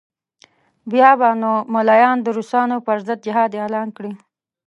بیا به نو ملایان د روسانو پر ضد جهاد اعلان کړي.